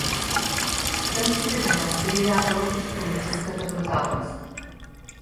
Црнците демонстрираа против полициската бруталност.